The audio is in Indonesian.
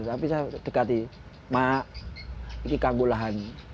tapi saya dekat mak ini kemampuan saya